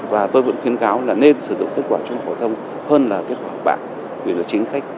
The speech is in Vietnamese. và tôi vẫn khuyến cáo là nên sử dụng kết quả trung học phổ thông hơn là kết quả học bạc